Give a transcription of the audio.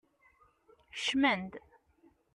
Kecmem-d!